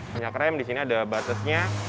minyak rem disini ada basisnya